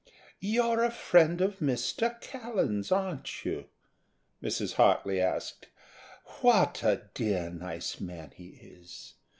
"You're a friend of Mr. Callan's, aren't you?" Mrs. Hartly asked, "What a dear, nice man he is!